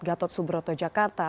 gatot subroto jakarta